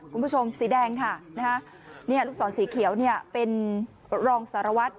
คุณผู้ชมสีแดงค่ะนะฮะเนี่ยลูกศรสีเขียวเนี่ยเป็นรองสารวัตร